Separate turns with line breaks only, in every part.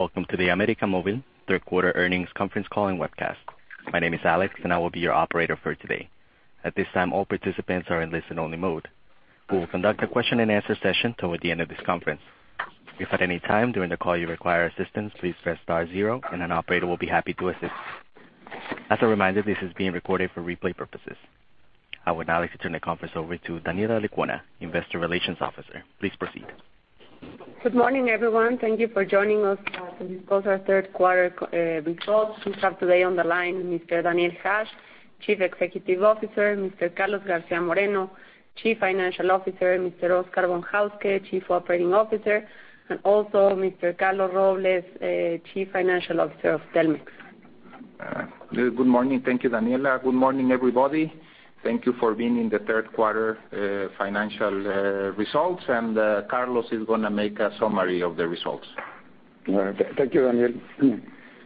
Welcome to the América Móvil third quarter earnings conference calling webcast. My name is Alex and I will be your Operator for today. At this time, all participants are in listen-only mode. We will conduct a question and answer session toward the end of this conference. If at any time during the call you require assistance, please press star zero and an Operator will be happy to assist. As a reminder, this is being recorded for replay purposes. I would now like to turn the conference over to Daniela Lecuona, Investor Relations Officer. Please proceed.
Good morning, everyone. Thank you for joining us for this quarter's third quarter results. We have today on the line Mr. Daniel Hajj, Chief Executive Officer, Mr. Carlos Garcia Moreno, Chief Financial Officer, Mr. Oscar Von Hauske, Chief Operating Officer, and also Mr. Carlos Robles, Chief Financial Officer of Telmex.
Good morning. Thank you, Daniela. Good morning, everybody. Thank you for being in the third quarter financial results. Carlos is going to make a summary of the results.
Thank you, Daniel.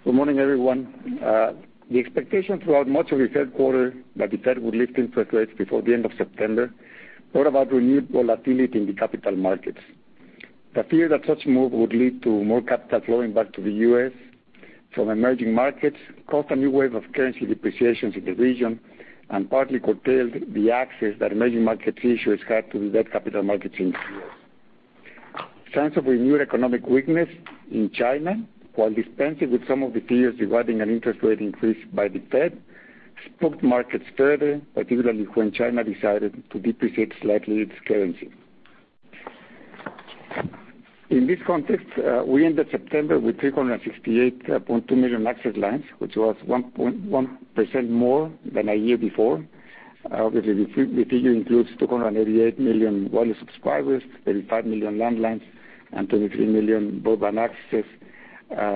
Good morning, everyone. The expectation throughout much of the third quarter that the Fed would lift interest rates before the end of September brought about renewed volatility in the capital markets. The fear that such a move would lead to more capital flowing back to the U.S. from emerging markets caused a new wave of currency depreciations in the region and partly curtailed the access that emerging market issuers had to the debt capital markets in the U.S. Signs of renewed economic weakness in China, while dispensing with some of the fears regarding an interest rate increase by the Fed, spooked markets further, particularly when China decided to depreciate slightly its currency. In this context, we ended September with 368.2 million access lines, which was 1.1% more than a year before. Obviously, the figure includes 288 million wireless subscribers, 35 million landlines, and 23 million broadband access.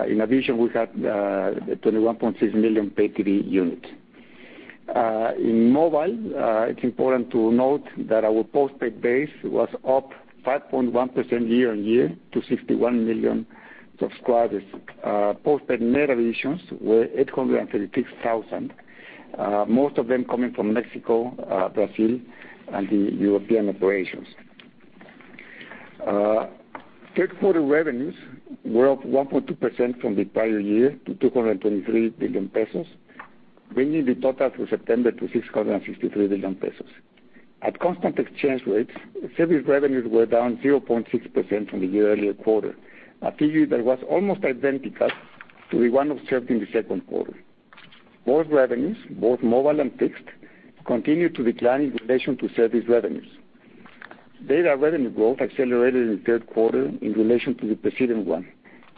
In addition, we had 21.6 million pay TV units. In mobile, it's important to note that our postpaid base was up 5.1% year-over-year to 61 million subscribers. Postpaid net additions were 836,000, most of them coming from Mexico, Brazil, and the European operations. Third quarter revenues were up 1.2% from the prior year to 223 billion pesos, bringing the total through September to 663 billion pesos. At constant exchange rates, service revenues were down 0.6% from the year earlier quarter, a figure that was almost identical to the one observed in the second quarter. Both revenues, both mobile and fixed, continued to decline in relation to service revenues. Data revenue growth accelerated in the third quarter in relation to the preceding one.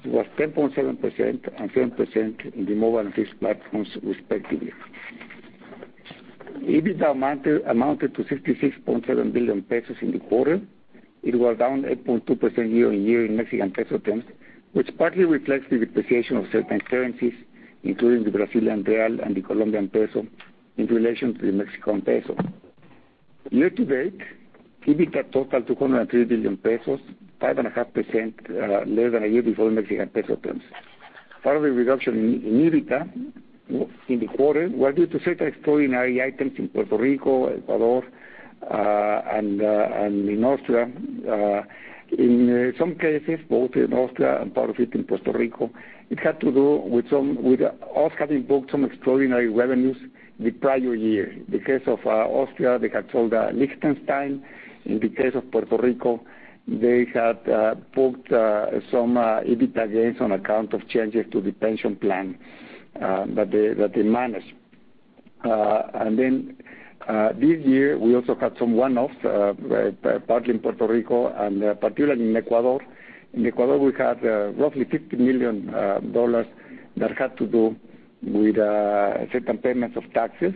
It was 10.7% and 10% in the mobile and fixed platforms respectively. EBITDA amounted to 66.7 billion pesos in the quarter. It was down 8.2% year-over-year in Mexican peso terms, which partly reflects the depreciation of certain currencies, including the Brazilian real and the Colombian peso, in relation to the Mexican peso. Year-to-date, EBITDA totaled 203 billion pesos, 5.5% less than a year before in Mexican peso terms. Part of the reduction in EBITDA in the quarter was due to certain extraordinary items in Puerto Rico, Ecuador, and in Austria. In some cases, both in Austria and part of it in Puerto Rico, it had to do with us having booked some extraordinary revenues the prior year. In the case of Austria, they had sold Liechtenstein. In the case of Puerto Rico, they had booked some EBITDA gains on account of changes to the pension plan that they managed. This year, we also had some one-offs, partly in Puerto Rico and particularly in Ecuador. In Ecuador, we had roughly $50 million that had to do with certain payments of taxes,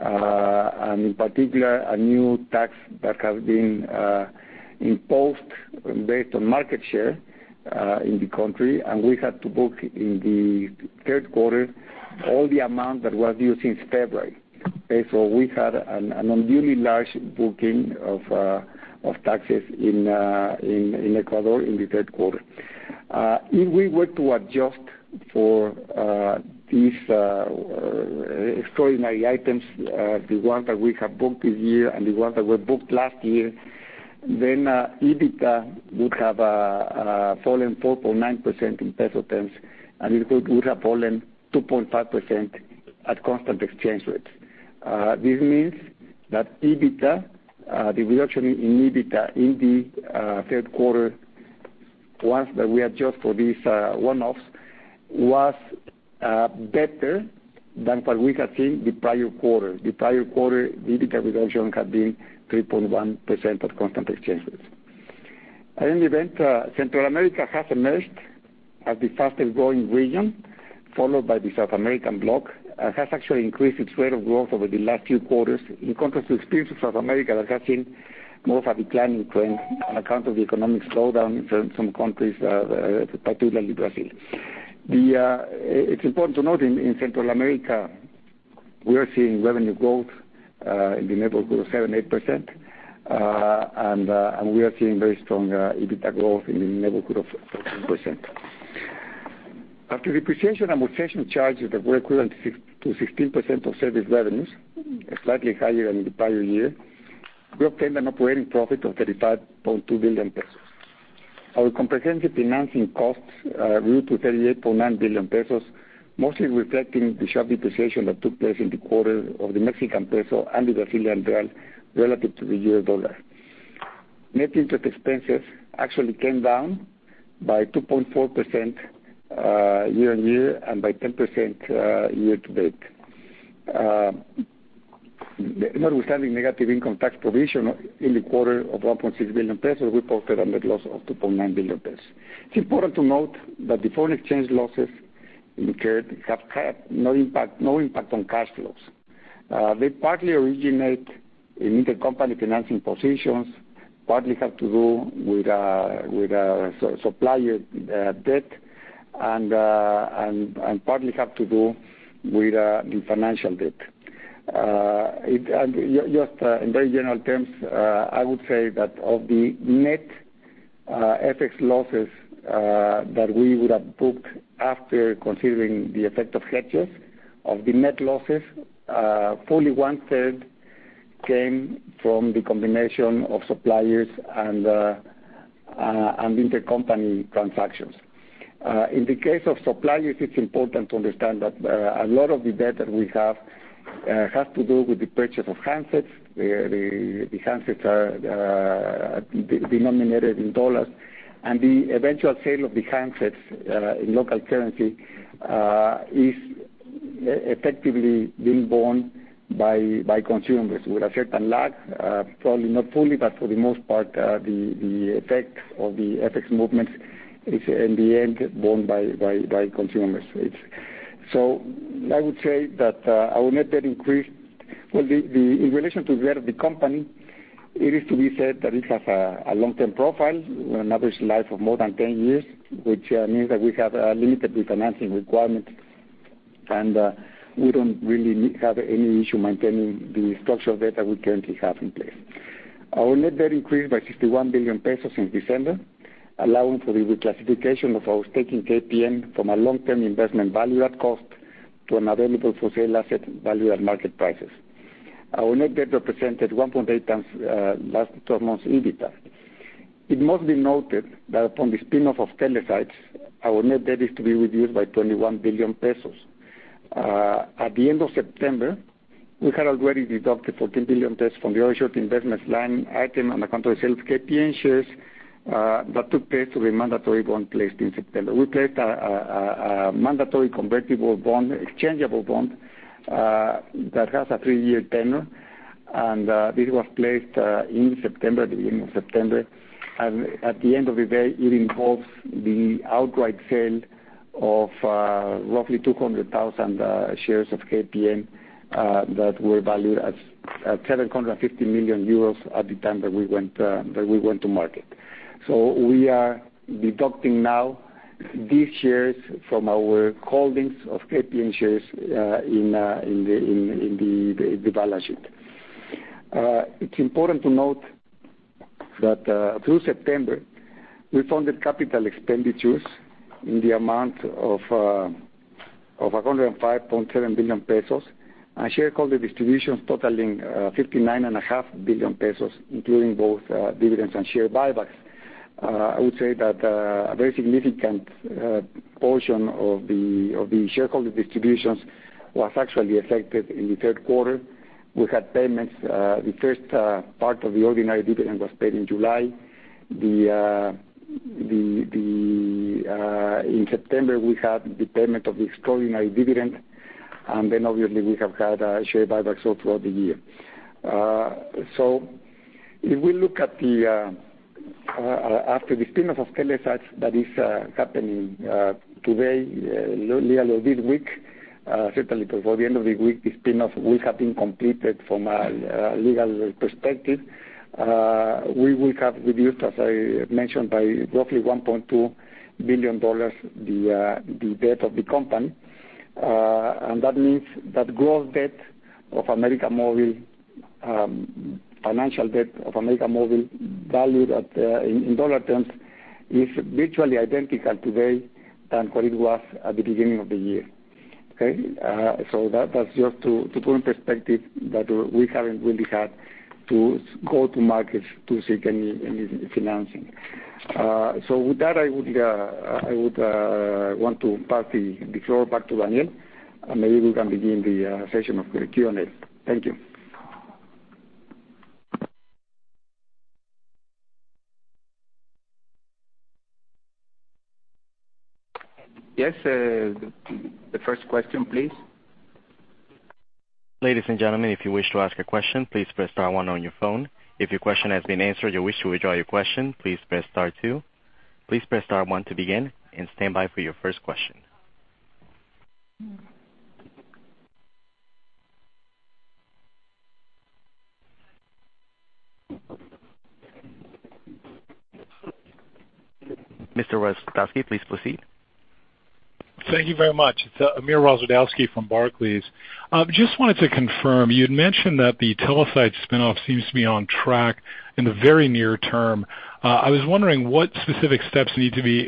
and in particular, a new tax that has been imposed based on market share in the country. We had to book in the third quarter all the amount that was due since February. We had an unduly large booking of taxes in Ecuador in the third quarter. If we were to adjust for these extraordinary items, the ones that we have booked this year and the ones that were booked last year, EBITDA would have fallen 4.9% in peso terms, and it would have fallen 2.5% at constant exchange rates. This means that the reduction in EBITDA in the third quarter, once that we adjust for these one-offs, was better than what we had seen the prior quarter. The prior quarter, the EBITDA reduction had been 3.1% at constant exchange rates. At any event, Central America has emerged as the fastest growing region, followed by the South American block. It has actually increased its rate of growth over the last few quarters, in contrast to the experience of South America that has seen more of a declining trend on account of the economic slowdown in some countries, particularly Brazil. It's important to note in Central America, we are seeing revenue growth in the neighborhood of 7%, 8%, and we are seeing very strong EBITDA growth in the neighborhood of 13%. After depreciation and amortization charges that were equivalent to 16% of service revenues, slightly higher than in the prior year. We obtained an operating profit of 35.2 billion pesos. Our comprehensive financing costs grew to 38.9 billion pesos, mostly reflecting the sharp depreciation that took place in the quarter of the Mexican peso and the Brazilian real relative to the US dollar. Net interest expenses actually came down by 2.4% year-on-year and by 10% year-to-date. Notwithstanding negative income tax provision in the quarter of 1.6 billion pesos, we posted a net loss of 2.9 billion pesos. It's important to note that the foreign exchange losses incurred have had no impact on cash flows. They partly originate in intercompany financing positions, partly have to do with supplier debt, and partly have to do with financial debt. Just in very general terms, I would say that of the net FX losses that we would have booked after considering the effect of hedges, of the net losses, fully one third came from the combination of suppliers and intercompany transactions. In the case of suppliers, it's important to understand that a lot of the debt that we have, has to do with the purchase of handsets. The handsets are denominated in dollars, and the eventual sale of the handsets in local currency is effectively being borne by consumers with a certain lag, probably not fully, but for the most part, the effect of the FX movement is in the end borne by consumers. I would say that our net debt increased. In relation to the debt of the company, it is to be said that it has a long-term profile, an average life of more than 10 years, which means that we have limited refinancing requirements, and we don't really have any issue maintaining the structure of debt that we currently have in place. Our net debt increased by 61 billion pesos in December, allowing for the reclassification of our stake in KPN from a long-term investment valued at cost to an available for sale asset valued at market prices. Our net debt represented 1.8 times last 12 months EBITDA. It must be noted that from the spin-off of Telesites, our net debt is to be reduced by 21 billion pesos. At the end of September, we had already deducted 14 billion pesos from the other short investment line item on the control sale of KPN shares that took place with a mandatory bond placed in September. We placed a mandatory convertible bond, exchangeable bond, that has a three-year tenure, and this was placed at the beginning of September. At the end of the day, it involves the outright sale of roughly 200,000 shares of KPN that were valued at 750 million euros at the time that we went to market. We are deducting now these shares from our holdings of KPN shares in the balance sheet. It's important to note that through September, we funded capital expenditures in the amount of 105.7 billion pesos and shareholder distributions totaling 59.5 billion pesos, including both dividends and share buybacks. I would say that a very significant portion of the shareholder distributions was actually affected in the third quarter. The first part of the ordinary dividend was paid in July. Then obviously we have had share buybacks all throughout the year. If we look after the spin-off of Telesites that is happening today, earlier this week, certainly before the end of the week, the spin-off will have been completed from a legal perspective. We will have reduced, as I mentioned, by roughly $1.2 billion, the debt of the company. That means that gross debt of América Móvil, financial debt of América Móvil, valued in dollar terms, is virtually identical today than what it was at the beginning of the year. Okay? That's just to put in perspective that we haven't really had to go to market to seek any financing. With that, I would want to pass the floor back to Daniel, and maybe we can begin the session of the Q&A. Thank you.
Yes. The first question, please.
Ladies and gentlemen, if you wish to ask a question, please press star one on your phone. If your question has been answered, you wish to withdraw your question, please press star two. Please press star one to begin, and stand by for your first question. Mr. Rozwadowski, please proceed.
Thank you very much. It's Amir Rozwadowski from Barclays. Just wanted to confirm, you had mentioned that the Telesites spin-off seems to be on track in the very near term. I was wondering what specific steps need to be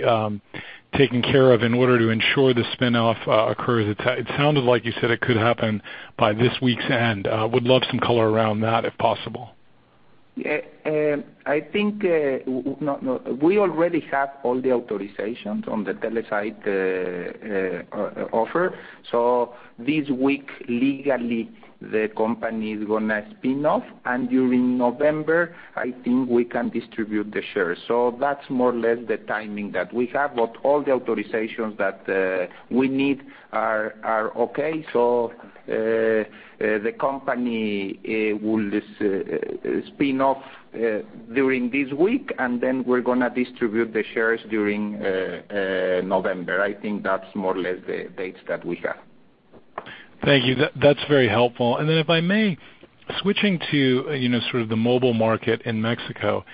taken care of in order to ensure the spin-off occurs. It sounded like you said it could happen by this week's end. Would love some color around that, if possible.
Yeah. I think we already have all the authorizations on the Telesites offer. This week, legally, the company is going to spin off, and during November, I think we can distribute the shares. That's more or less the timing that we have. All the authorizations that we need are okay. The company will spin off during this week, and then we're going to distribute the shares during November. I think that's more or less the dates that we have.
Thank you. That's very helpful. If I may, switching to the mobile market in Mexico,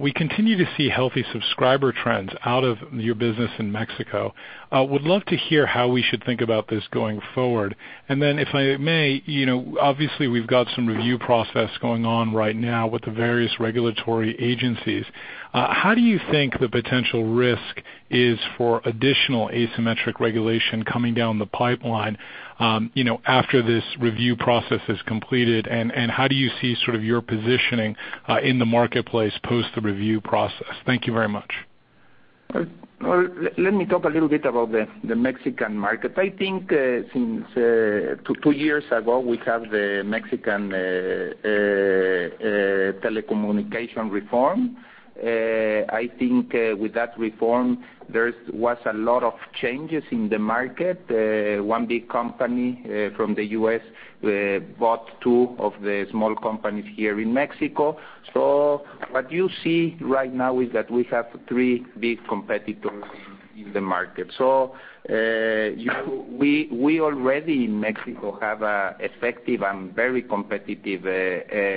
we continue to see healthy subscriber trends out of your business in Mexico. Would love to hear how we should think about this going forward. If I may, obviously, we've got some review process going on right now with the various regulatory agencies. How do you think the potential risk is for additional asymmetric regulation coming down the pipeline after this review process is completed? How do you see your positioning in the marketplace post the review process? Thank you very much.
Let me talk a little bit about the Mexican market. I think since two years ago, we have the Mexican telecommunication reform. I think with that reform, there was a lot of changes in the market. One big company from the U.S. bought two of the small companies here in Mexico. What you see right now is that we have three big competitors in the market. We already in Mexico have an effective and very competitive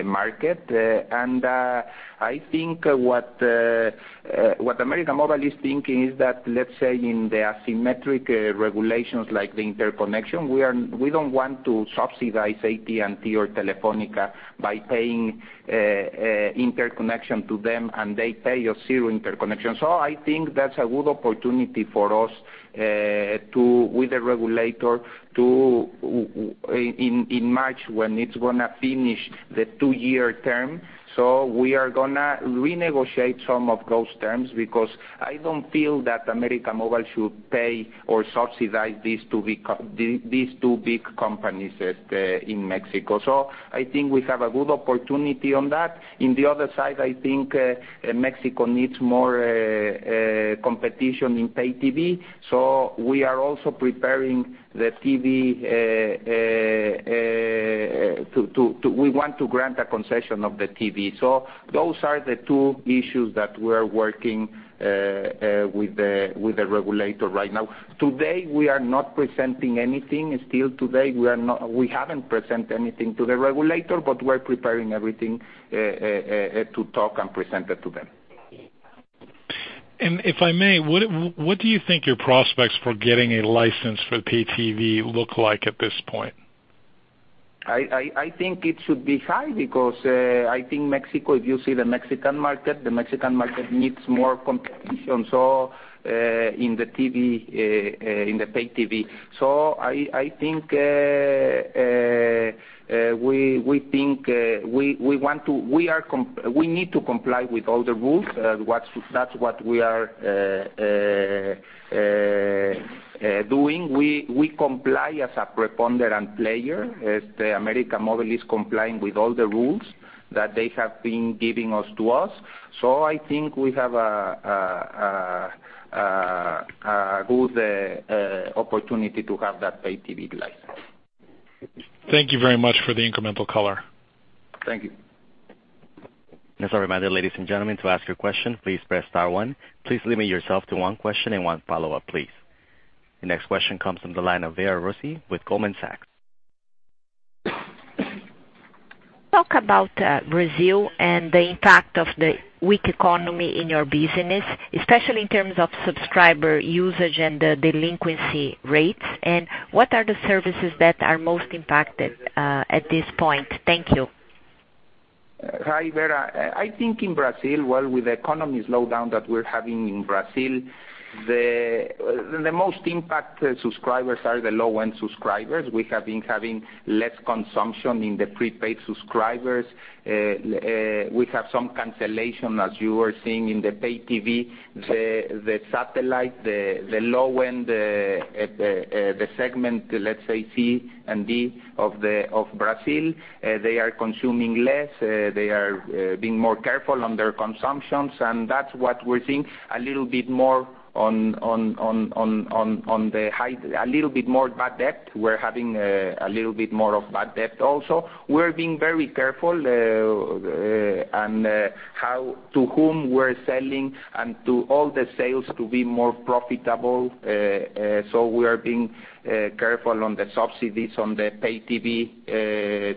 market. I think what América Móvil is thinking is that, let's say in the asymmetric regulations like the interconnection, we don't want to subsidize AT&T or Telefónica by paying interconnection to them, and they pay us zero interconnection. I think that's a good opportunity for us with the regulator in March when it's going to finish the two-year term. We are going to renegotiate some of those terms because I don't feel that América Móvil should pay or subsidize these two big companies in Mexico. I think we have a good opportunity on that. On the other side, I think Mexico needs more competition in pay TV. We are also preparing the TV. We want to grant a concession of the TV. Those are the two issues that we're working with the regulator right now. Today, we are not presenting anything. Still today, we haven't presented anything to the regulator, but we're preparing everything to talk and present it to them.
If I may, what do you think your prospects for getting a license for pay TV look like at this point?
I think it should be high because I think Mexico, if you see the Mexican market, the Mexican market needs more competition in the pay TV. We need to comply with all the rules. That's what we are doing. We comply as a preponderant player as América Móvil is complying with all the rules that they have been giving us to us. I think we have a good opportunity to have that pay TV license.
Thank you very much for the incremental color.
Thank you.
As a reminder, ladies and gentlemen, to ask your question, please press star one. Please limit yourself to one question and one follow-up, please. The next question comes from the line of Vera Rossi with Goldman Sachs.
Talk about Brazil and the impact of the weak economy in your business, especially in terms of subscriber usage and the delinquency rates. What are the services that are most impacted at this point? Thank you.
Hi, Vera. I think in Brazil, well, with the economy slowdown that we're having in Brazil, the most impacted subscribers are the low-end subscribers. We have been having less consumption in the prepaid subscribers. We have some cancellation, as you are seeing in the pay TV, the satellite, the low end, the segment, let's say C and D of Brazil. They are consuming less. They are being more careful on their consumptions, and that's what we're seeing a little bit more bad debt. We're having a little bit more of bad debt also. We're being very careful on how to whom we're selling and to all the sales to be more profitable. We are being careful on the subsidies on the pay TV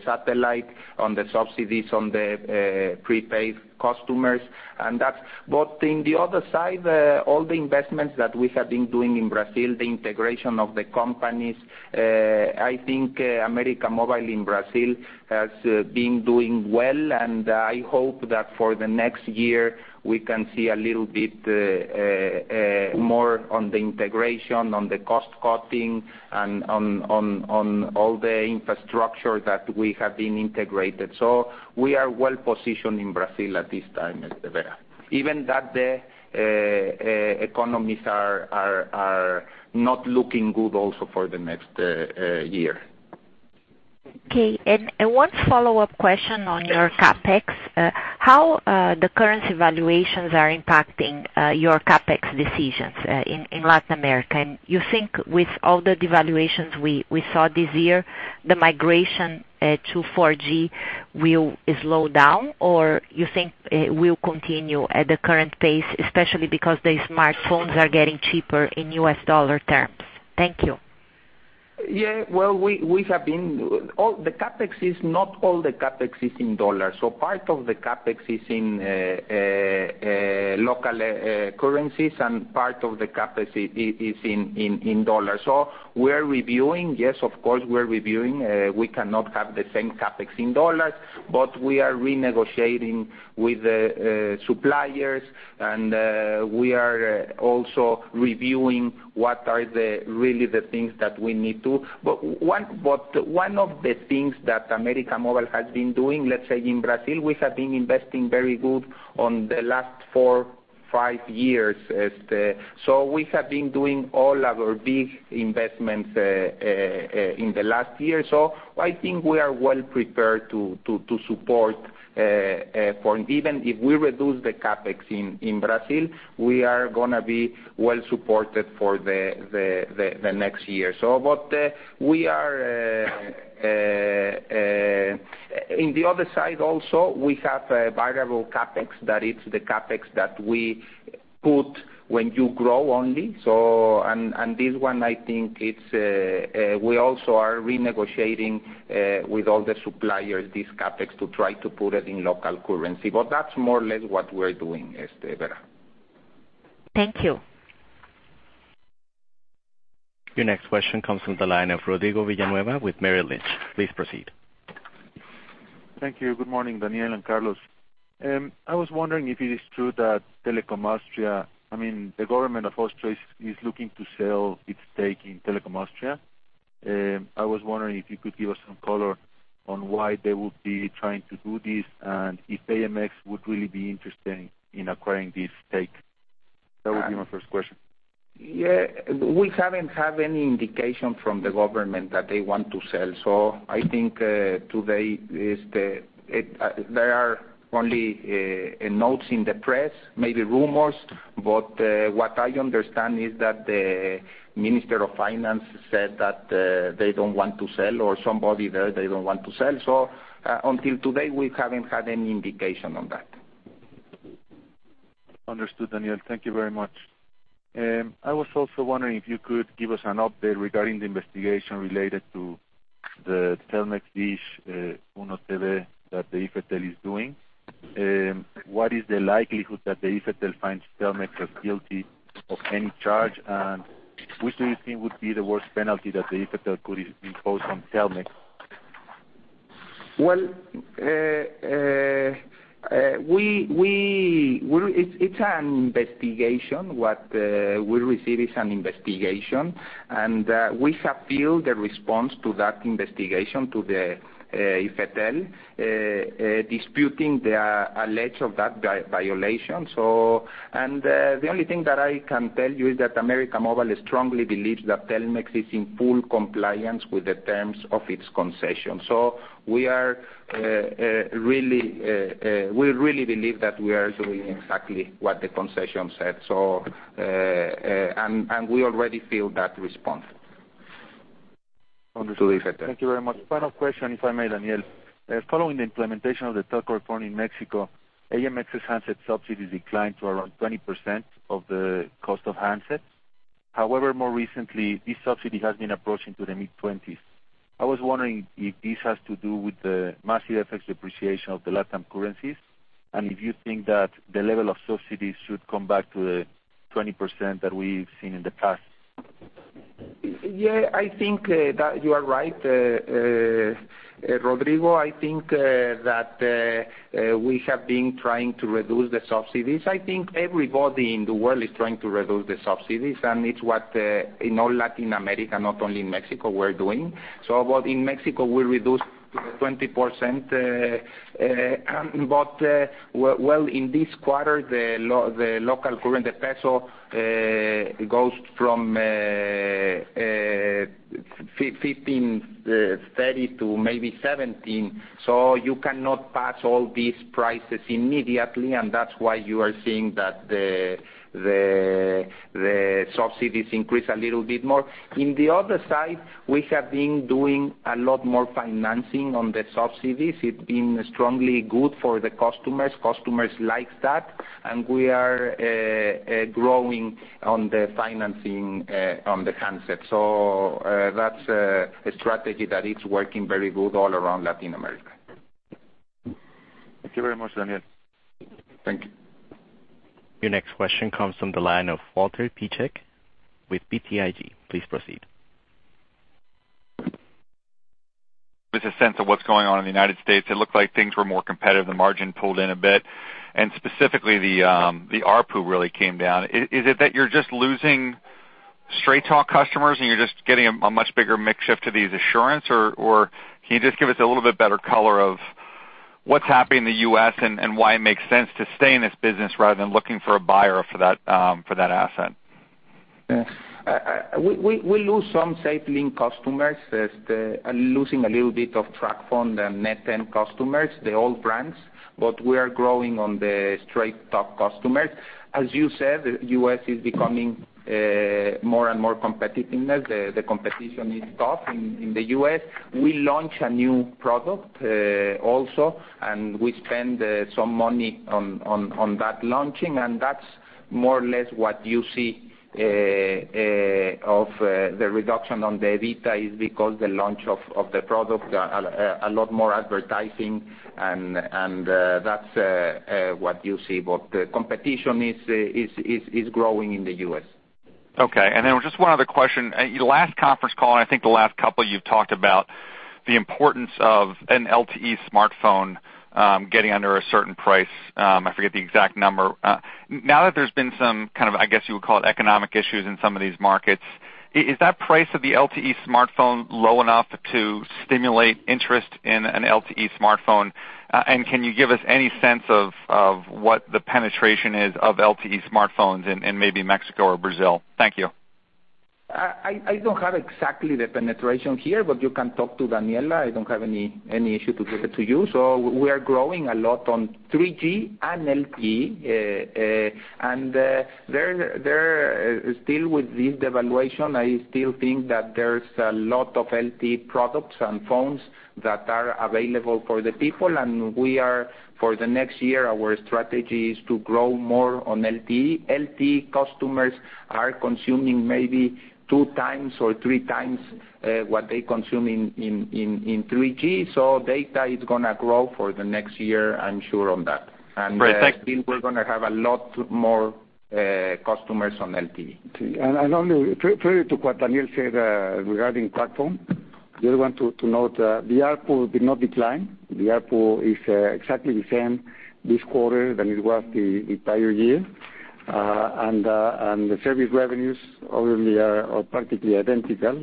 satellite, on the subsidies on the prepaid customers. In the other side, all the investments that we have been doing in Brazil, the integration of the companies, I think América Móvil in Brazil has been doing well, and I hope that for the next year, we can see a little bit more on the integration, on the cost cutting, and on all the infrastructure that we have been integrated. We are well positioned in Brazil at this time, Vera. Even that the economies are not looking good also for the next year.
Okay. One follow-up question on your CapEx. How the currency valuations are impacting your CapEx decisions in Latin America? You think with all the devaluations we saw this year, the migration to 4G will slow down, or you think it will continue at the current pace, especially because the smartphones are getting cheaper in U.S. dollar terms? Thank you.
Not all the CapEx is in USD. Part of the CapEx is in local currencies, part of the CapEx is in USD. We're reviewing. Yes, of course, we're reviewing. We cannot have the same CapEx in USD, we are renegotiating with the suppliers and we are also reviewing what are really the things that we need, too. One of the things that América Móvil has been doing, let's say in Brazil, we have been investing very good on the last four, five years. We have been doing all our big investments in the last year. I think we are well prepared to support for, even if we reduce the CapEx in Brazil, we are going to be well supported for the next year. In the other side also, we have a variable CapEx that is the CapEx that we put when you grow only. This one, I think, we also are renegotiating with all the suppliers, this CapEx to try to put it in local currency. That's more or less what we're doing, Vera.
Thank you.
Your next question comes from the line of Rodrigo Villanueva with Merrill Lynch. Please proceed.
Thank you. Good morning, Daniel and Carlos. I was wondering if it is true that the government of Austria is looking to sell its stake in Telekom Austria. I was wondering if you could give us some color on why they would be trying to do this, and if AMX would really be interested in acquiring this stake. That would be my first question.
We haven't had any indication from the government that they want to sell. I think today there are only notes in the press, maybe rumors, but what I understand is that the Minister of Finance said that they don't want to sell or somebody there, they don't want to sell. Until today, we haven't had any indication on that.
Understood, Daniel. Thank you very much. I was also wondering if you could give us an update regarding the investigation related to the Telmex-Dish, Uno TV that the IFETEL is doing. What is the likelihood that the IFETEL finds Telmex as guilty of any charge, and which do you think would be the worst penalty that the IFETEL could impose on Telmex?
It's an investigation. What we receive is an investigation, we have filed a response to that investigation to the IFETEL, disputing the allege of that violation. The only thing that I can tell you is that América Móvil strongly believes that Telmex is in full compliance with the terms of its concession. We really believe that we are doing exactly what the concession said. We already filed that response.
Understood. Thank you very much. Final question, if I may, Daniel. Following the implementation of the Telco Reform in Mexico, AMX's handset subsidy declined to around 20% of the cost of handsets. However, more recently, this subsidy has been approaching to the mid-20s. I was wondering if this has to do with the massive FX depreciation of the LatAm currencies, and if you think that the level of subsidies should come back to the 20% that we've seen in the past.
Yeah, I think that you are right, Rodrigo. I think that we have been trying to reduce the subsidies. I think everybody in the world is trying to reduce the subsidies, it's what in all Latin America, not only in Mexico, we're doing. In Mexico, we reduced to the 20%. Well, in this quarter, the local currency, the peso, goes from 15.30 to maybe 17. You cannot pass all these prices immediately, that's why you are seeing that the subsidies increase a little bit more. In the other side, we have been doing a lot more financing on the subsidies. It's been strongly good for the customers. Customers like that, we are growing on the financing on the handsets. That's a strategy that is working very good all around Latin America.
Thank you very much, Daniel.
Thank you.
Your next question comes from the line of Walter Piecyk with BTIG. Please proceed.
Just a sense of what's going on in the U.S. It looked like things were more competitive, the margin pulled in a bit. Specifically the ARPU really came down. Is it that you're just losing Straight Talk customers and you're just getting a much bigger mix shift to these SafeLink, or can you just give us a little bit better color of what's happening in the U.S. and why it makes sense to stay in this business rather than looking for a buyer for that asset?
Yes. We lose some SafeLink customers. Losing a little bit of TracFone and Net10 customers, the old brands. We are growing on the Straight Talk customers. As you said, the U.S. is becoming more and more competitive. The competition is tough in the U.S. We launch a new product also. We spend some money on that launching. That is more or less what you see of the reduction on the EBITDA is because the launch of the product, a lot more advertising. That is what you see. The competition is growing in the U.S.
Okay. Just one other question. Last conference call, I think the last couple, you've talked about the importance of an LTE smartphone getting under a certain price. I forget the exact number. Now that there's been some, I guess you would call it economic issues in some of these markets, is that price of the LTE smartphone low enough to stimulate interest in an LTE smartphone? Can you give us any sense of what the penetration is of LTE smartphones in maybe Mexico or Brazil? Thank you.
I don't have exactly the penetration here. You can talk to Daniela. I don't have any issue to give it to you. We are growing a lot on 3G and LTE. Still with this devaluation, I still think that there's a lot of LTE products and phones that are available for the people. We are, for the next year, our strategy is to grow more on LTE. LTE customers are consuming maybe two times or three times what they consume in 3G. Data is going to grow for the next year, I'm sure of that.
Great. Thank you.
I think we're going to have a lot more customers on LTE.
Only true to what Daniel said regarding platform, just want to note, the ARPU did not decline. The ARPU is exactly the same this quarter than it was the entire year. The service revenues really are practically identical.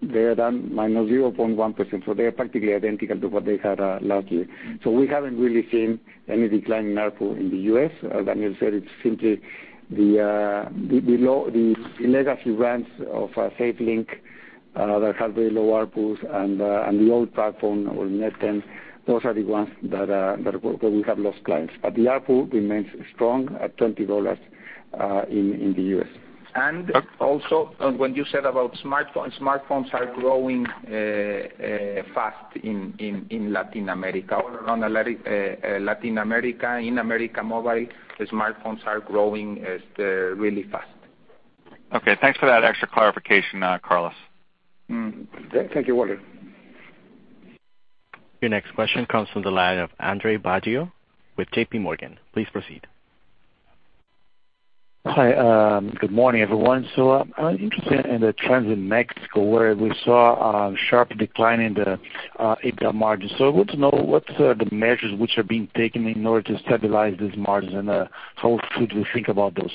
They are down -0.1%. They are practically identical to what they had last year. We haven't really seen any decline in ARPU in the U.S. As Daniel said, it's simply the legacy brands of SafeLink that have very low ARPUs and the old platform or Net10, those are the ones that we have lost clients. The ARPU remains strong at $20 in the U.S.
Also, when you said about smartphones are growing fast in Latin America. All around Latin America, in América Móvil, the smartphones are growing really fast.
Okay, thanks for that extra clarification, Carlos.
Thank you, Walter.
Your next question comes from the line of Andre Baggio with JP Morgan. Please proceed.
Hi. Good morning, everyone. I'm interested in the trends in Mexico, where we saw a sharp decline in the EBITDA margin. I want to know what's the measures which are being taken in order to stabilize this margin, and how should we think about those?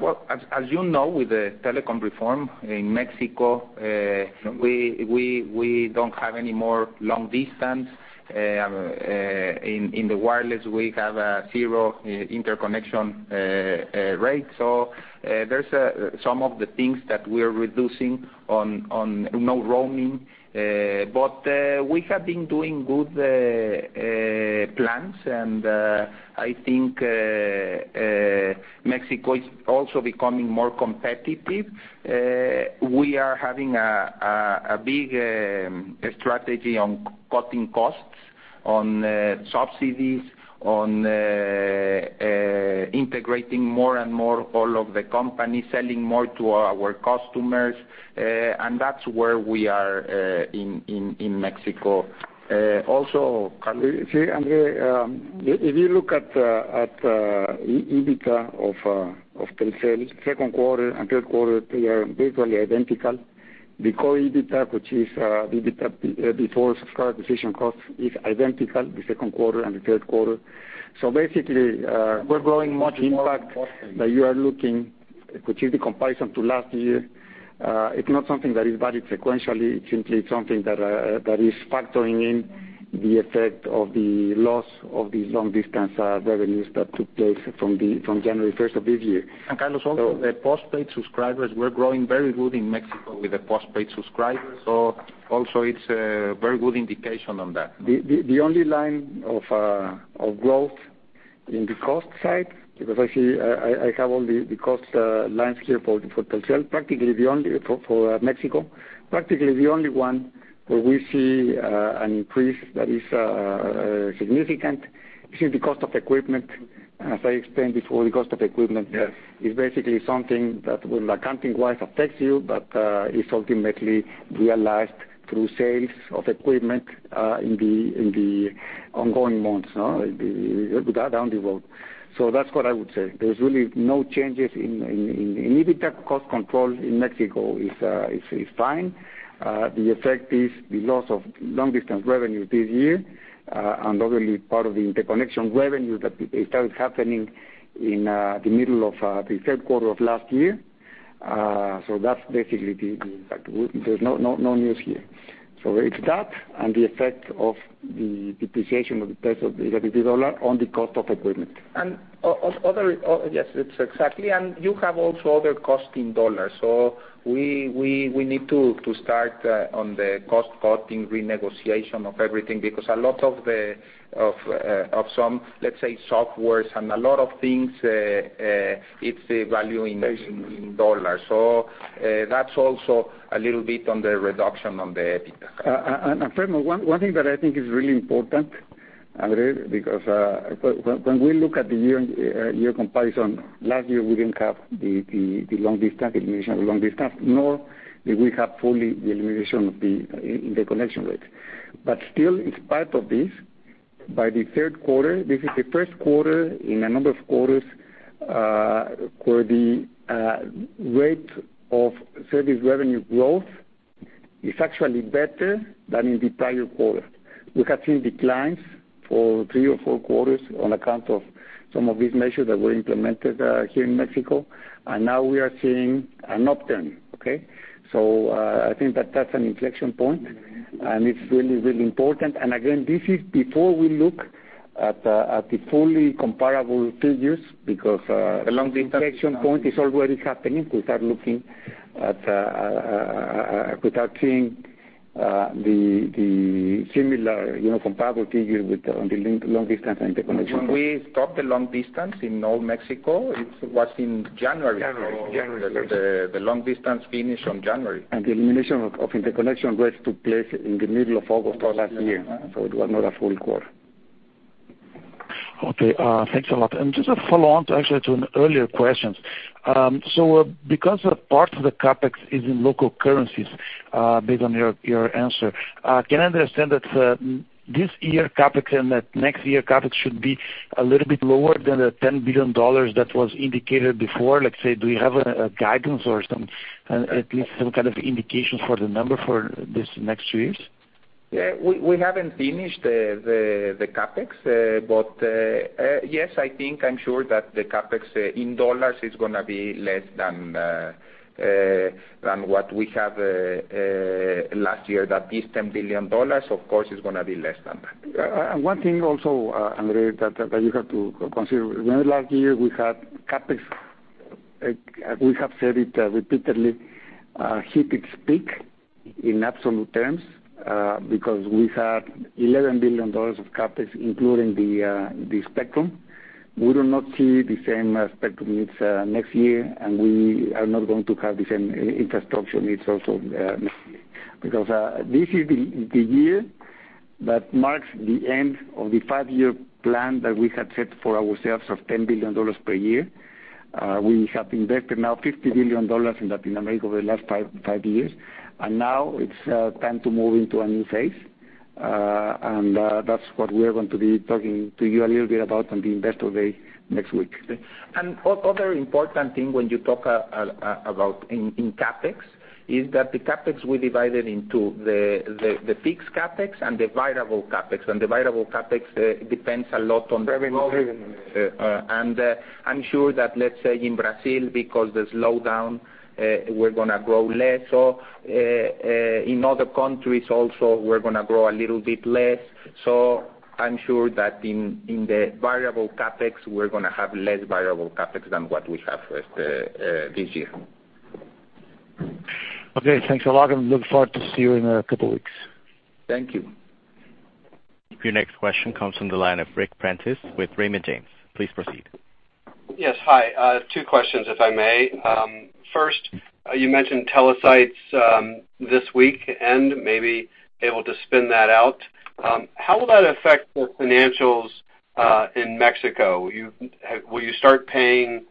Well, as you know, with the telecom reform in Mexico, we don't have any more long distance. In the wireless, we have a zero interconnection rate. There's some of the things that we're reducing on no roaming. We have been doing good plans, and I think Mexico is also becoming more competitive. We are having a big strategy on cutting costs on subsidies, on integrating more and more all of the company, selling more to our customers. That's where we are in Mexico.
Andre, if you look at EBITDA of Telcel, second quarter and third quarter, they are basically identical. The core EBITDA, which is EBITDA before subscriber acquisition cost, is identical the second quarter and the third quarter.
We're growing much more.
The impact that you are looking, which is the comparison to last year, it's not something that is valid sequentially. It's simply something that is factoring in the effect of the loss of these long-distance revenues that took place from January 1st of this year.
Carlos, also the postpaid subscribers, we're growing very good in Mexico with the postpaid subscribers. Also it's a very good indication on that.
The only line of growth in the cost side, because I see, I have all the cost lines here for Telcel, for Mexico. Practically the only one where we see an increase that is significant is the cost of equipment. As I explained before, the cost of equipment is basically something that will, accounting-wise, affects you, but it's ultimately realized through sales of equipment in the ongoing months, down the road. That's what I would say. There's really no changes in EBITDA cost control in Mexico. It's fine. The effect is the loss of long-distance revenue this year, and obviously part of the interconnection revenue that started happening in the middle of the third quarter of last year. That's basically the impact. There's no news here. It's that and the effect of the depreciation of the peso, the Mexican peso on the cost of equipment.
Other Yes, exactly. You have also other costs in dollars. We need to start on the cost-cutting renegotiation of everything, because a lot of some, let's say, software and a lot of things, it's valued in dollars. That's also a little bit on the reduction on the EBITDA.
Fermin, one thing that I think is really important, Andre, because when we look at the year comparison, last year, we didn't have the elimination of long distance, nor did we have fully the elimination of the interconnection rate. Still, in spite of this, by the third quarter, this is the first quarter in a number of quarters, where the rate of service revenue growth is actually better than in the prior quarter. We have seen declines for three or four quarters on account of some of these measures that were implemented here in Mexico, and now we are seeing an upturn. Okay. I think that's an inflection point, and it's really, really important. Again, this is before we look at the fully comparable figures.
The long distance.
inflection point is already happening without seeing the similar comparable figures with the long distance interconnection.
When we stopped the long distance in all Mexico, it was in January.
January.
The long distance finished on January.
The elimination of interconnection rates took place in the middle of August of last year. It was not a full quarter.
Okay, thanks a lot. Just a follow-on to actually to an earlier question. Because a part of the CapEx is in local currencies, based on your answer, can I understand that this year CapEx and that next year CapEx should be a little bit lower than the $10 billion that was indicated before? Let's say, do you have a guidance or at least some kind of indication for the number for this next two years?
Yeah, we haven't finished the CapEx. Yes, I think I'm sure that the CapEx in dollars is going to be less than what we have last year, that is $10 billion. Of course, it's going to be less than that.
One thing also, Andre, that you have to consider. Remember, last year, we had CapEx, we have said it repeatedly, hit its peak in absolute terms, because we had $11 billion of CapEx, including the spectrum. We do not see the same spectrum needs next year, we are not going to have the same infrastructure needs also next year. This is the year that marks the end of the five-year plan that we had set for ourselves of $10 billion per year. We have invested now $50 billion in Latin America over the last five years, and now it's time to move into a new phase. That's what we are going to be talking to you a little bit about on the Investor Day next week.
Other important thing when you talk about in CapEx is that the CapEx, we divide it into the fixed CapEx and the variable CapEx. The variable CapEx depends a lot on the growth. I'm sure that, let's say, in Brazil, because there's slowdown, we're going to grow less. In other countries also, we're going to grow a little bit less. I'm sure that in the variable CapEx, we're going to have less variable CapEx than what we have this year.
Okay, thanks a lot, and look forward to see you in a couple of weeks.
Thank you.
Your next question comes from the line of Ric Prentiss with Raymond James. Please proceed.
Yes. Hi. Two questions, if I may. First, you mentioned Telesites this week and maybe able to spin that out. How will that affect the financials in Mexico? Will you start paying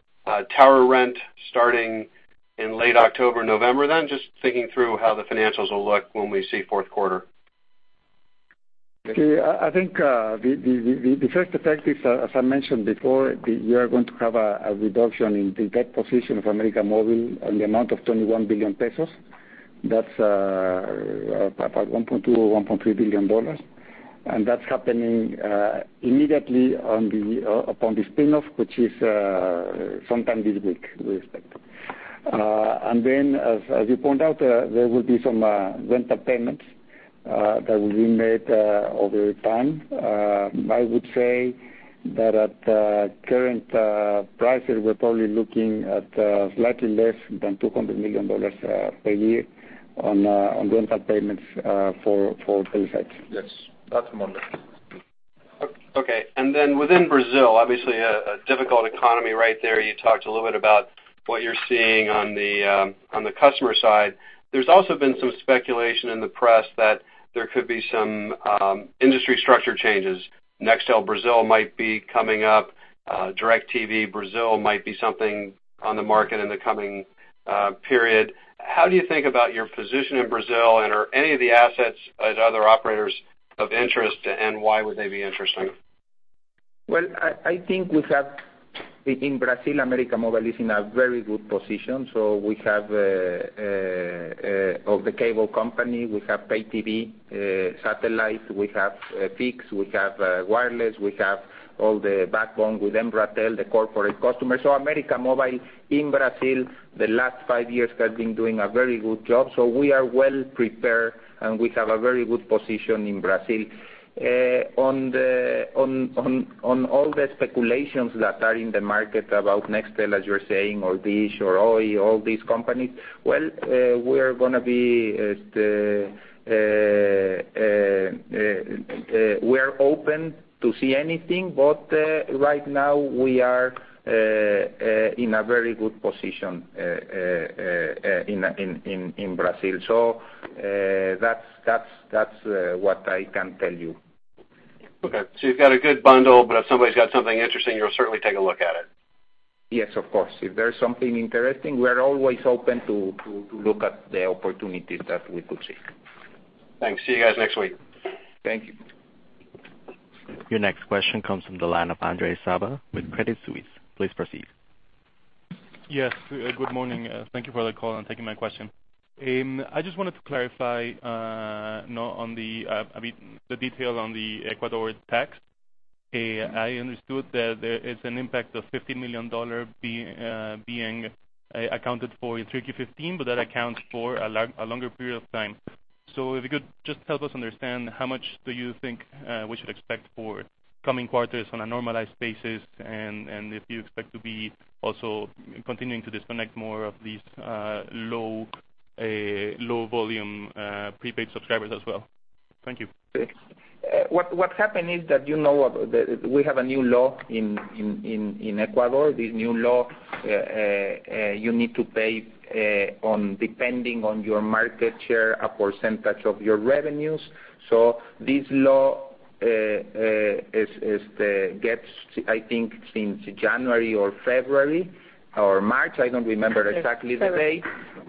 tower rent starting in late October, November then? Just thinking through how the financials will look when we see fourth quarter.
Okay. I think the first effect is, as I mentioned before, we are going to have a reduction in the debt position of América Móvil in the amount of 21 billion pesos. That's about $1.2 or $1.3 billion. That's happening immediately upon the spinoff, which is sometime this week, we expect. As you point out, there will be some rental payments that will be made over time. I would say that at current prices, we're probably looking at slightly less than $200 million per year on rental payments for Telesites.
Yes. That amount.
Okay. Within Brazil, obviously a difficult economy right there. You talked a little bit about what you're seeing on the customer side. There's also been some speculation in the press that there could be some industry structure changes. Nextel Brazil might be coming up. DIRECTV Brazil might be something on the market in the coming period. How do you think about your position in Brazil, and are any of the assets at other operators of interest, and why would they be interesting?
Well, I think in Brazil, América Móvil is in a very good position. We have the cable company. We have pay TV, satellite, we have fixed, we have wireless, we have all the backbone with Embratel, the corporate customers. América Móvil in Brazil, the last five years has been doing a very good job. We are well prepared, and we have a very good position in Brazil. On all the speculations that are in the market about Nextel, as you're saying, or Dish or Oi, all these companies, well, we're open to see anything. Right now, we are in a very good position in Brazil. That's what I can tell you.
Okay, you've got a good bundle, but if somebody's got something interesting, you'll certainly take a look at it.
Yes, of course. If there's something interesting, we are always open to look at the opportunities that we could see.
Thanks. See you guys next week.
Thank you.
Your next question comes from the line of [Andre Sahba] with Credit Suisse. Please proceed.
Yes. Good morning. Thank you for the call and taking my question. I just wanted to clarify on the detail on the Ecuador tax. I understood that there is an impact of $50 million being accounted for in 3Q15, but that accounts for a longer period of time. If you could just help us understand how much do you think we should expect for coming quarters on a normalized basis, and if you expect to be also continuing to disconnect more of these low volume prepaid subscribers as well. Thank you.
What happened is that, you know we have a new law in Ecuador. This new law, you need to pay depending on your market share, a percentage of your revenues. This law gets, I think since January or February or March, I don't remember exactly the date.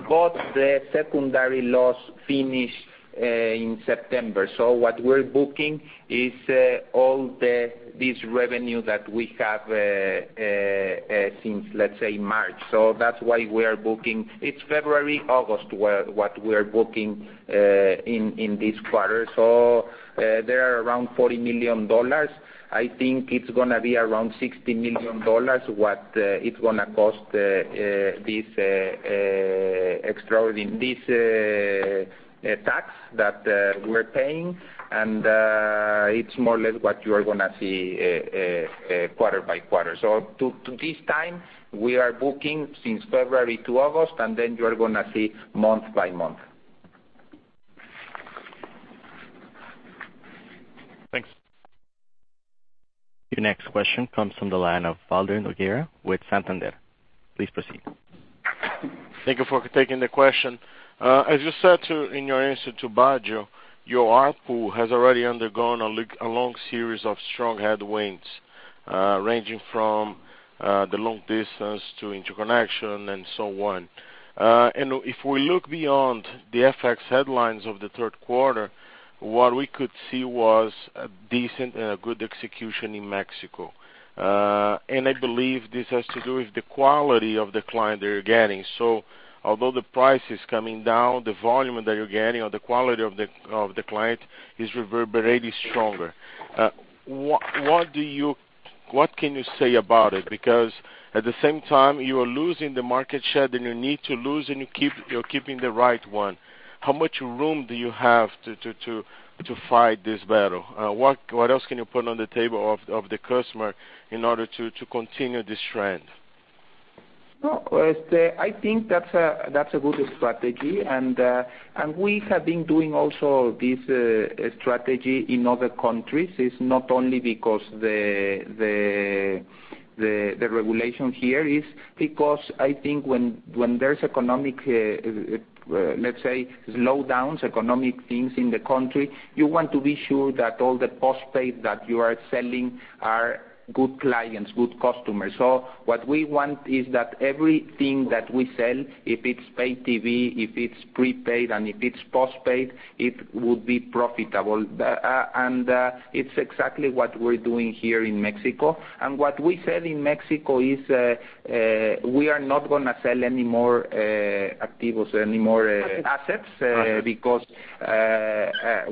The secondary laws finished in September. What we're booking is all this revenue that we have since, let's say, March. That's why we are booking, it's February, August, what we are booking in this quarter. There are around $40 million. I think it's going to be around $60 million, what it's going to cost this tax that we're paying. It's more or less what you are going to see quarter by quarter. To this time, we are booking since February to August, and then you are going to see month by month.
Thanks.
Your next question comes from the line of Valter Nogueira with Santander. Please proceed.
Thank you for taking the question. As you said in your answer to Baggio, your ARPU has already undergone a long series of strong headwinds, ranging from the long distance to interconnection and so on. If we look beyond the FX headlines of the third quarter, what we could see was a decent and a good execution in Mexico. I believe this has to do with the quality of the client that you're getting. Although the price is coming down, the volume that you're getting or the quality of the client is reverberating stronger. What can you say about it? Because at the same time, you are losing the market share that you need to lose, and you're keeping the right one. How much room do you have to fight this battle? What else can you put on the table of the customer in order to continue this trend?
I think that's a good strategy, and we have been doing also this strategy in other countries. It's not only because the regulation here, it's because I think when there's economic, let's say, slowdowns, economic things in the country, you want to be sure that all the postpaid that you are selling are good clients, good customers. What we want is that everything that we sell, if it's pay TV, if it's prepaid, and if it's postpaid, it would be profitable. It's exactly what we're doing here in Mexico. What we said in Mexico is, we are not going to sell any more activos, any more assets, because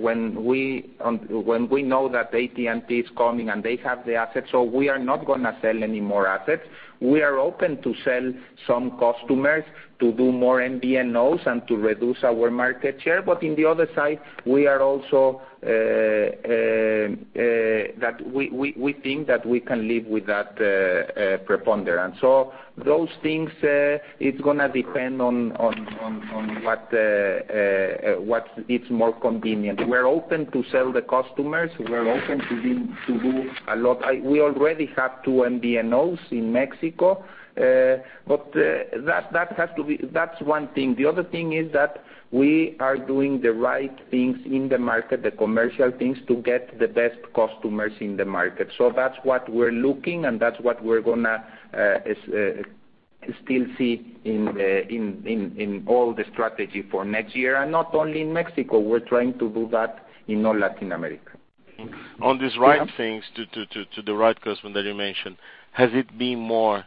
when we know that AT&T is coming, and they have the assets, we are not going to sell any more assets. We are open to sell some customers to do more MVNOs and to reduce our market share. On the other side, we think that we can live with that preponderance. Those things, it's going to depend on what it's more convenient. We're open to sell the customers. We're open to do a lot. We already have two MVNOs in Mexico. That's one thing. The other thing is that we are doing the right things in the market, the commercial things, to get the best customers in the market. That's what we're looking, and that's what we're going to still see in all the strategy for next year. Not only in Mexico, we're trying to do that in all Latin America.
On these right things to the right customer that you mentioned, has it been more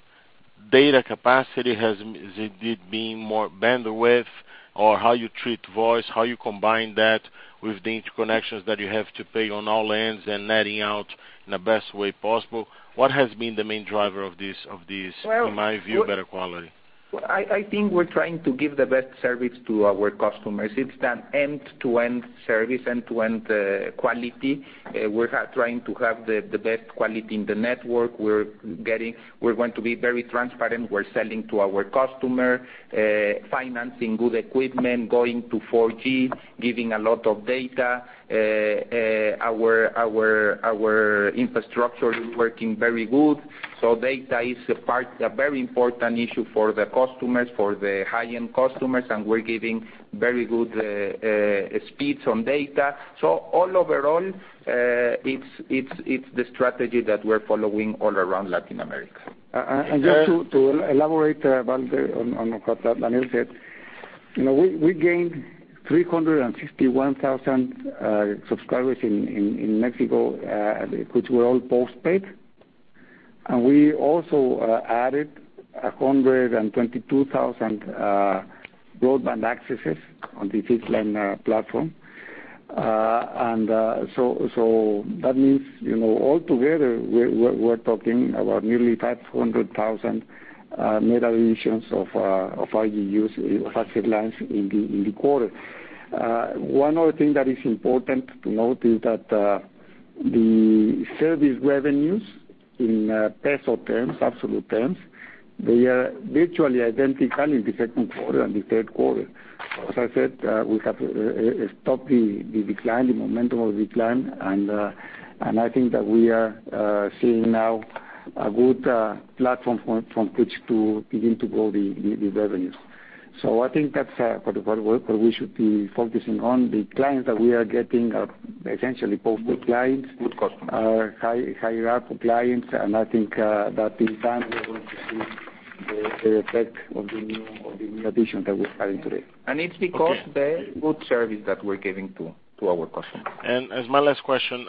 data capacity? Has it been more bandwidth? Or how you treat voice, how you combine that with the interconnections that you have to pay on all ends and netting out in the best way possible? What has been the main driver of this, in my view, better quality?
I think we're trying to give the best service to our customers. It's an end-to-end service, end-to-end quality. We're trying to have the best quality in the network. We're going to be very transparent. We're selling to our customer, financing good equipment, going to 4G, giving a lot of data. Our infrastructure is working very good. Data is a very important issue for the customers, for the high-end customers, and we're giving very good speeds on data. All overall, it's the strategy that we're following all around Latin America.
Just to elaborate, Walter, on what Daniel said. We gained 361,000 subscribers in Mexico, which were all postpaid. We also added 122,000 broadband accesses on the fixed-line platform. That means, all together, we're talking about nearly 500,000 net additions of RGUs, of access lines in the quarter. One other thing that is important to note is that the service revenues in MXN terms, absolute terms, they are virtually identical in the second quarter and the third quarter. As I said, we have stopped the decline, the momentum of decline, and I think that we are seeing now a good platform from which to begin to grow the revenues. I think that's what we should be focusing on. The clients that we are getting are essentially postpaid clients.
Good customers.
are higher ARPU clients. I think that in time we are going to see the effect of the new addition that we're having today.
It's because the good service that we're giving to our customers.
As my last question,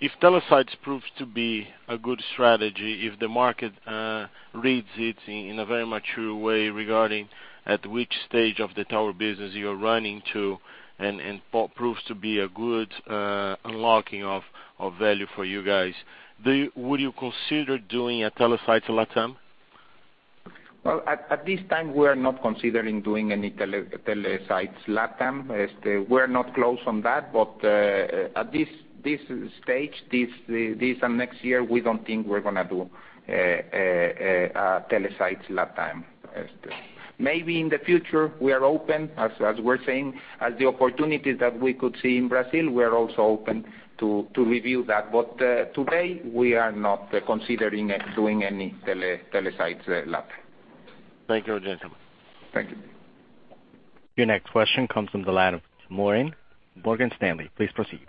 if Telesites proves to be a good strategy, if the market reads it in a very mature way regarding at which stage of the tower business you're running to and proves to be a good unlocking of value for you guys, would you consider doing a Telesites LatAm?
Well, at this time, we are not considering doing any Telesites LatAm. We're not close on that. At this stage, this and next year, we don't think we're going to do Telesites LatAm. Maybe in the future, we are open, as we're saying, as the opportunities that we could see in Brazil, we are also open to review that. Today, we are not considering doing any Telesites LatAm.
Thank you, gentlemen.
Thank you.
Your next question comes from the line of Morin, Morgan Stanley. Please proceed.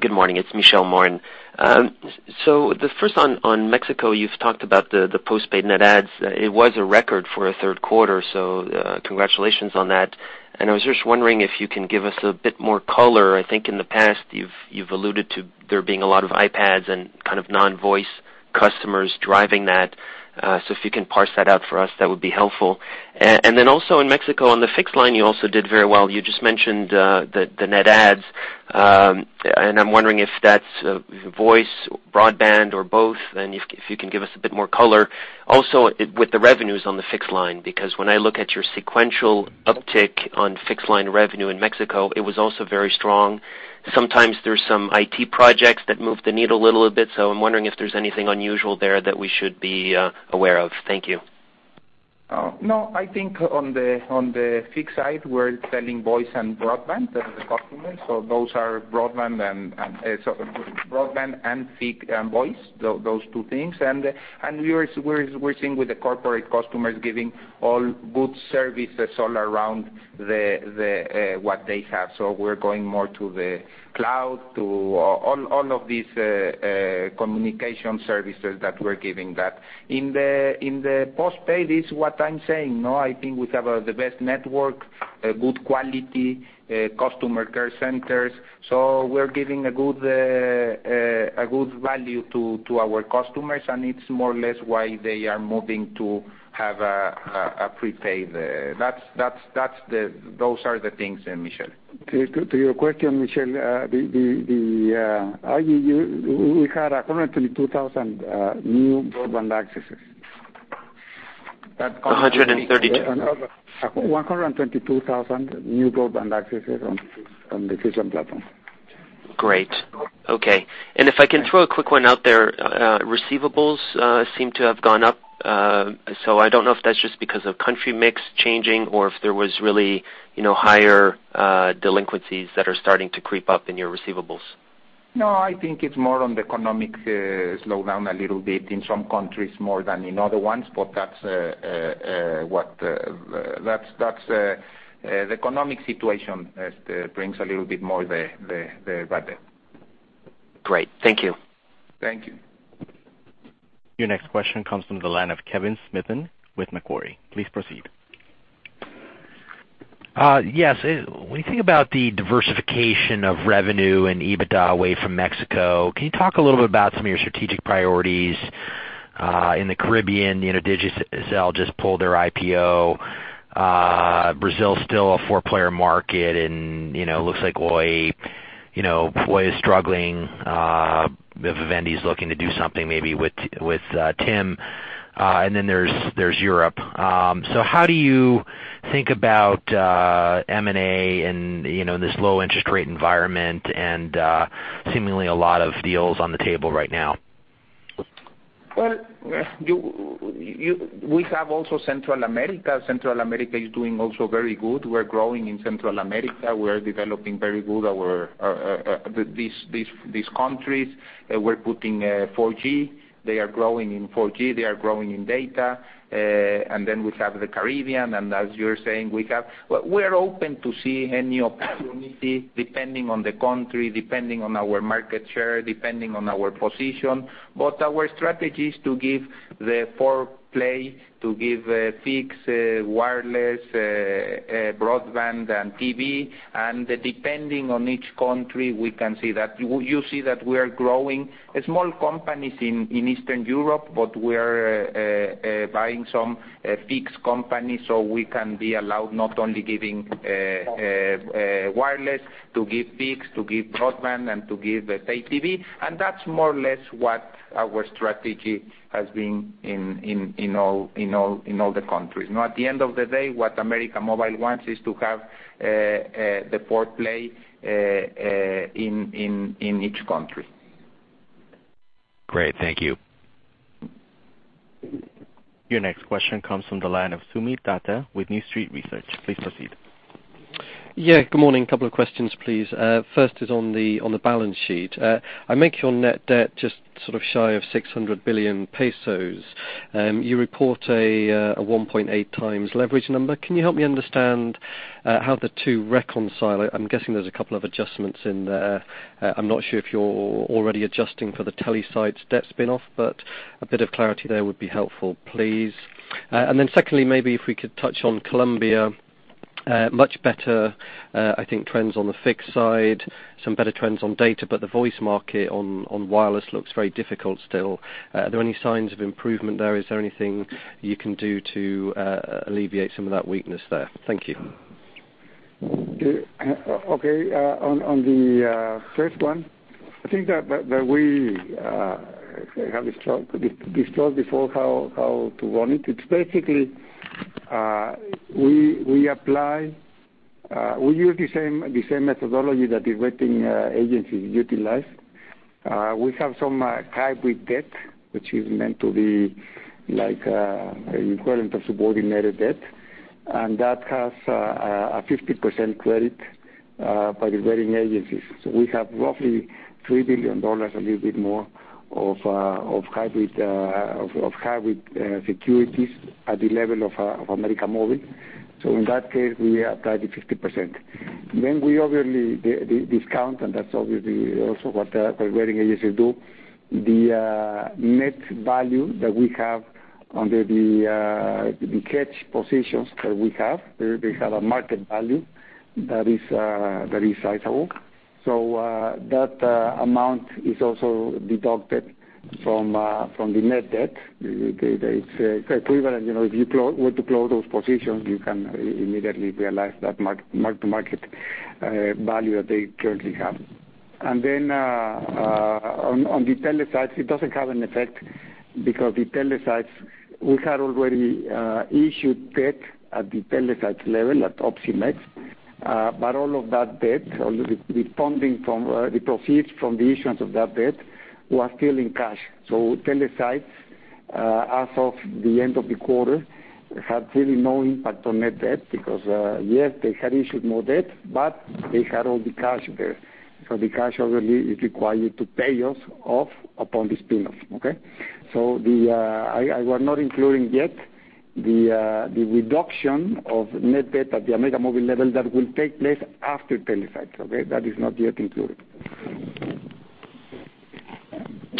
Good morning. It's Michel Morin. The first on Mexico, you've talked about the postpaid net adds. It was a record for a third quarter, congratulations on that. I was just wondering if you can give us a bit more color. I think in the past you've alluded to there being a lot of iPads and kind of non-voice customers driving that. If you can parse that out for us, that would be helpful. Also in Mexico, on the fixed line, you also did very well. You just mentioned the net adds. I'm wondering if that's voice, broadband, or both, and if you can give us a bit more color. Also, with the revenues on the fixed line, because when I look at your sequential uptick on fixed line revenue in Mexico, it was also very strong. Sometimes there's some IT projects that move the needle a little bit, so I'm wondering if there's anything unusual there that we should be aware of. Thank you.
No, I think on the fixed side, we're selling voice and broadband to the customers. Those are broadband and fixed voice, those two things. We're seeing with the corporate customers giving all good services all around what they have. We're going more to the cloud, to all of these communication services that we're giving that. In the postpaid, it's what I'm saying. No, I think we have the best network, good quality, customer care centers. We're giving a good value to our customers, and it's more or less why they are moving to have a prepaid. Those are the things, Michel.
To your question, Michel, the RGUs, we had 122,000 new broadband accesses.
132?
122,000 new broadband accesses on the Fusión platform.
Great. Okay. If I can throw a quick one out there, receivables seem to have gone up. I don't know if that's just because of country mix changing or if there was really higher delinquencies that are starting to creep up in your receivables.
No, I think it's more on the economic slowdown a little bit in some countries, more than in other ones. That's the economic situation that brings a little bit more the.
Great. Thank you.
Thank you.
Your next question comes from the line of Kevin Smithen with Macquarie. Please proceed.
Yes. When you think about the diversification of revenue and EBITDA away from Mexico, can you talk a little bit about some of your strategic priorities in the Caribbean? Digicel just pulled their IPO. Brazil's still a four-player market, and it looks like Oi is struggling. Vivendi is looking to do something maybe with TIM. There's Europe. How do you think about M&A in this low interest rate environment and seemingly a lot of deals on the table right now?
Well, we have also Central America. Central America is doing also very good. We're growing in Central America. We're developing very good these countries. We're putting 4G. They are growing in 4G. They are growing in data. We have the Caribbean, and as you're saying, we're open to see any opportunity depending on the country, depending on our market share, depending on our position. Our strategy is to give the quad play, to give fixed wireless broadband and TV. Depending on each country, we can see that. You see that we are growing small companies in Eastern Europe, we are buying some fixed companies so we can be allowed not only giving wireless, to give fixed, to give broadband, and to give pay TV. That's more or less what our strategy has been in all the countries. Now at the end of the day, what América Móvil wants is to have the quad play in each country.
Great. Thank you.
Your next question comes from the line of Soomit Datta with New Street Research. Please proceed.
Yeah. Good morning. Couple of questions, please. First is on the balance sheet. I make your net debt just sort of shy of 600 billion pesos. You report a 1.8 times leverage number. Can you help me understand how the two reconcile? I am guessing there is a couple of adjustments in there. I am not sure if you are already adjusting for the Telesites debt spinoff, but a bit of clarity there would be helpful, please. Secondly, maybe if we could touch on Colombia. Much better, I think, trends on the fixed side, some better trends on data, but the voice market on wireless looks very difficult still. Are there any signs of improvement there? Is there anything you can do to alleviate some of that weakness there? Thank you.
Okay. On the first one, I think that we have discussed before how to run it. It's basically, we use the same methodology that the rating agencies utilize. We have some hybrid debt, which is meant to be like an equivalent of subordinated debt, and that has a 50% credit by the rating agencies. We have roughly $3 billion, a little bit more of hybrid securities at the level of América Móvil. So in that case, we apply the 50%. We obviously discount, and that's obviously also what the rating agencies do. The net value that we have under the catch positions that we have, they have a market value that is sizable. That amount is also deducted from the net debt. It's equivalent. If you were to close those positions, you can immediately realize that mark-to-market value that they currently have. On the Telesites, it doesn't have an effect because the Telesites, we had already issued debt at the Telesites level at Opsimex. All of that debt, the funding from the proceeds from the issuance of that debt was still in cash. Telesites as of the end of the quarter had really no impact on net debt because yes, they had issued more debt, but they had all the cash there. The cash already is required to pay us off upon the spinoff. Okay? I was not including yet the reduction of net debt at the América Móvil level that will take place after Telesites. Okay? That is not yet included.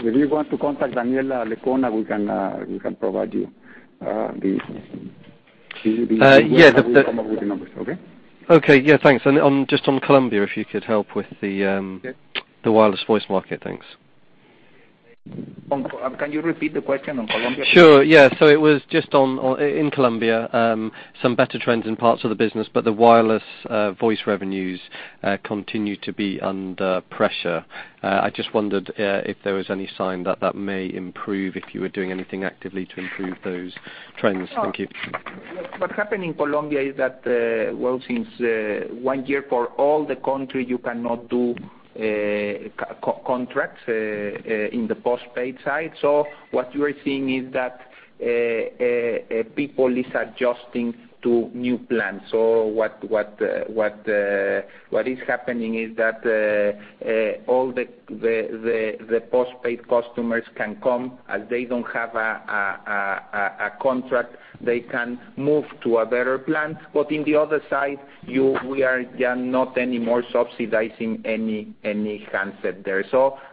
If you want to contact Daniela Lecuona, we can provide you the.
Yeah.
with the numbers, okay?
Okay. Yeah, thanks. Just on Colombia, if you could help with the.
Okay
the wireless voice market. Thanks.
Can you repeat the question on Colombia, please?
Sure. Yeah. It was just in Colombia, some better trends in parts of the business, but the wireless voice revenues continue to be under pressure. I just wondered if there was any sign that that may improve, if you were doing anything actively to improve those trends. Thank you.
What happened in Colombia is that, well, since one year for all the country, you cannot do contracts in the postpaid side. What you are seeing is that people is adjusting to new plans. What is happening is that all the postpaid customers can come as they don't have a A contract, they can move to a better plan. On the other side, we are not anymore subsidizing any handset there.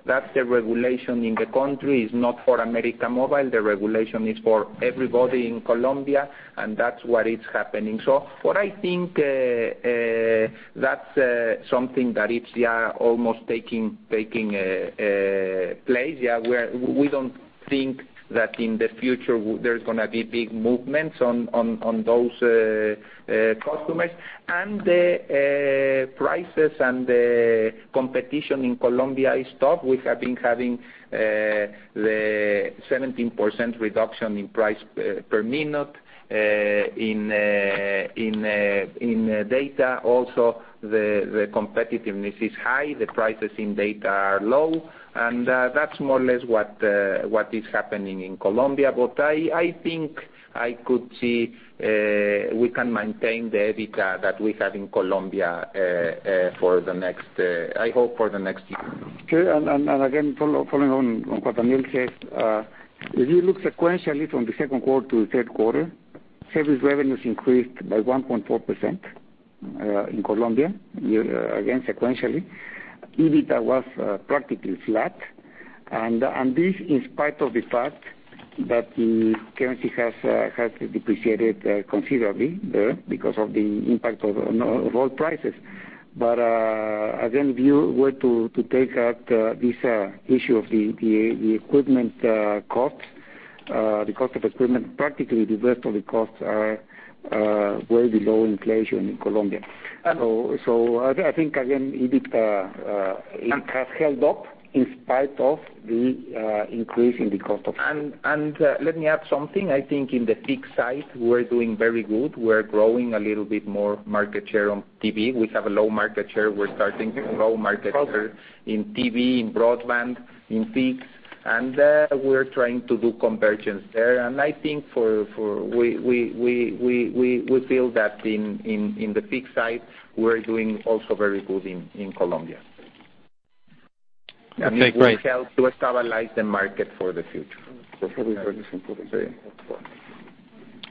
That's the regulation in the country. It's not for América Móvil. The regulation is for everybody in Colombia, and that's what is happening. What I think, that's something that is almost taking place. We don't think that in the future there's going to be big movements on those customers. The prices and the competition in Colombia is tough. We have been having the 17% reduction in price per minute. In data also, the competitiveness is high, the prices in data are low, and that's more or less what is happening in Colombia. I think I could see we can maintain the EBITDA that we have in Colombia, I hope, for the next year.
Okay. Again, following on what Daniel says, if you look sequentially from the second quarter to the third quarter, service revenues increased by 1.4% in Colombia. Again, sequentially. EBITDA was practically flat. This in spite of the fact that the currency has depreciated considerably there because of the impact of oil prices. Again, if you were to take out this issue of the equipment cost, the cost of equipment, practically the rest of the costs are way below inflation in Colombia. I think, again, EBITDA, it has held up in spite of the increase in the cost of
Let me add something. I think in the fixed side, we're doing very good. We're growing a little bit more market share on TV. We have a low market share. We're starting low market share in TV, in broadband, in fixed, and we're trying to do convergence there. I think we feel that in the fixed side, we're doing also very good in Colombia.
I think we've helped to stabilize the market for the future.
That's probably very simple to say.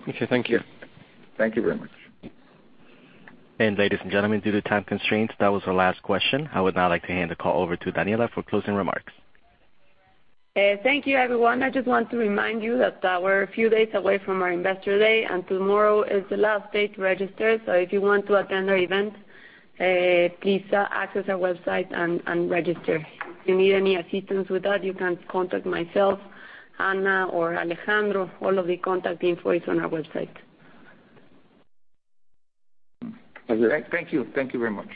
Okay. Thank you.
Thank you very much.
Ladies and gentlemen, due to time constraints, that was our last question. I would now like to hand the call over to Daniela for closing remarks.
Thank you, everyone. I just want to remind you that we're a few days away from our investor day, and tomorrow is the last day to register. If you want to attend our event, please access our website and register. If you need any assistance with that, you can contact myself, Daniela, or Alejandro. All of the contact info is on our website.
Thank you. Thank you very much.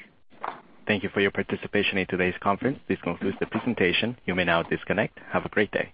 Thank you for your participation in today's conference. This concludes the presentation. You may now disconnect. Have a great day.